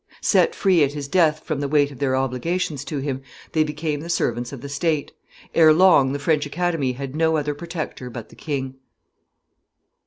Set free at his death from the weight of their obligations to him, they became the servants of the state; ere long the French Academy had no other protector but the king.